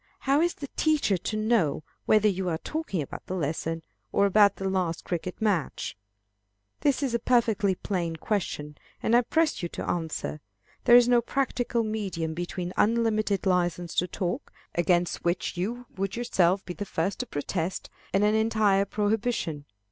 How is the teacher to know whether you are talking about the lesson, or about the last cricket match? This is a perfectly plain question, and I press you to an answer. There is no practical medium between unlimited license to talk against which you would yourself be the first to protest and an entire prohibition.